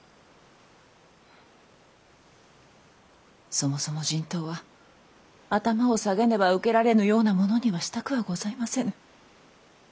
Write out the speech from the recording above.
そもそも人痘は頭を下げねば受けられぬようなものにはしたくはございませぬ。